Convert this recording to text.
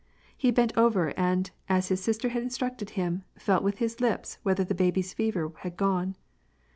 He bent over, and, as his sister had instructed him, felt with his lips whether the baby's fever had gone.